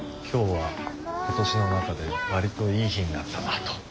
「今日は今年の中で割といい日になったな」と。